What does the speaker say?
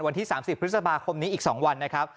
วันที่๓๐พฤษภาคมนี้อีก๒วันนะครับ